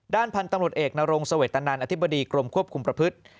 ด้านพันธุ์ตำรวจเอกนรงสวัสดิ์ตะนานอธิบดีกรมควบคุมประพฤติ